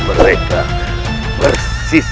kau akan menang